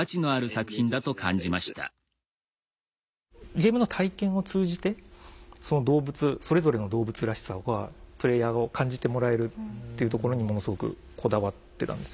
ゲームの体験を通じてその動物それぞれの動物らしさはプレイヤーを感じてもらえるっていうところにものすごくこだわってたんですよね。